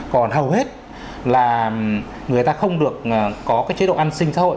còn hầu hết là người ta không được có cái chế độ an sinh xã hội